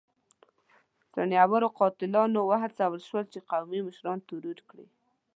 څڼيور قاتلان وهڅول شول چې قومي مشران ترور کړي.